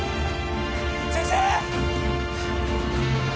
先生！